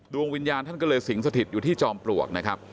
ดวงวิญญาณท่านก็เลยสิงสถิตอยู่ที่จอมปลวกนะครับ